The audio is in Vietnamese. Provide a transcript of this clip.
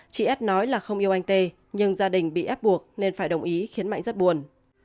chị ết nói là không yêu anh tê nhưng gia đình bị ép buộc nên phải đồng ý khiến mạnh rất buồn